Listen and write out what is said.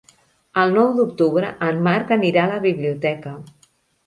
El nou d'octubre en Marc anirà a la biblioteca.